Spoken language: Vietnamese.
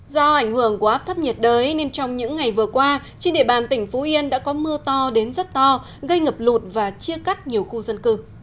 do ảnh hưởng của áp thấp nhiệt đới nên trong những ngày vừa qua trên địa bàn tỉnh phú yên đã có mưa to đến rất to gây ngập lụt và chia cắt nhiều khu dân cư